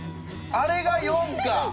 あれが４か！